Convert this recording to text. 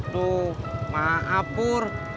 tuh maaf pur